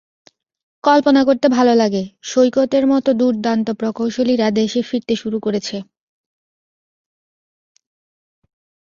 কল্পনা করতে ভালো লাগে, সৈকতের মতো দুর্দান্ত প্রকৌশলীরা দেশে ফিরতে শুরু করেছে।